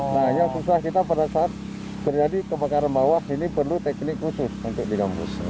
nah yang susah kita pada saat terjadi kebakaran bawah ini perlu teknik khusus untuk di kampus